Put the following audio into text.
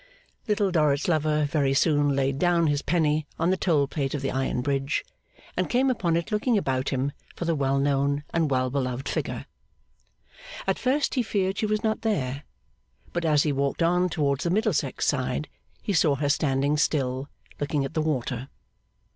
Little Dorrit's lover very soon laid down his penny on the tollplate of the Iron Bridge, and came upon it looking about him for the well known and well beloved figure. At first he feared she was not there; but as he walked on towards the Middlesex side, he saw her standing still, looking at the water.